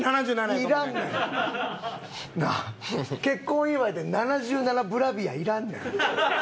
結婚祝いで７７ブラビアいらんねん。